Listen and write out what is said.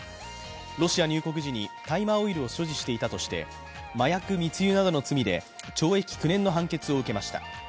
ロシア入国時に大麻オイルを所持していたとして麻薬密輸などの罪で懲役９年の判決を受けました。